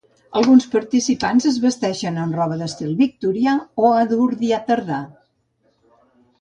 Alguns participants es vesteixen amb roba d'estil victorià o eduardià tardà.